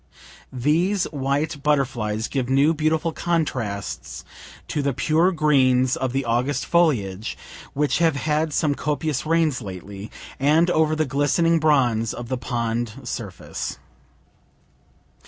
These white butterflies give new beautiful contrasts to the pure greens of the August foliage, (we have had some copious rains lately,) and over the glistening bronze of the pond surface.